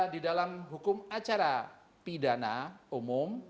di dalam hukum acara pidana umum